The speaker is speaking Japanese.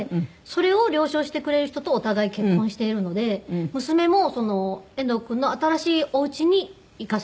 それを了承してくれる人とお互い結婚しているので娘も遠藤君の新しいお家に行かせてもらって。